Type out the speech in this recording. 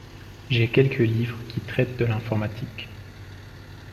J'ai quelques livres qui traitent de l'informatique.